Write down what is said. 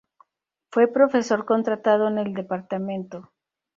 Fue profesor contratado en el Dep.